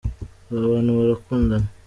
Aba bantu barakundana.